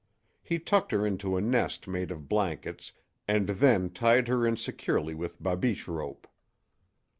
He tucked her into a nest made of blankets and then tied her in securely with babiche rope.